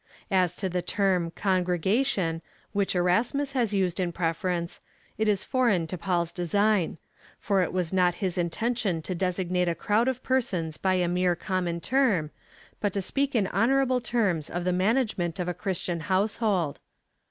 As to the term Con gi^egatioTL which Erasmus has used in preference, it is foreign to Paul's design ; for it was not his intention to designate a crowd of persons by a mere common term, but to speak in honourable terras of the management of a Christian liouse hold.